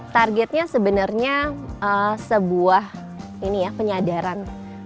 targetnya sebenarnya sebuah penyadaran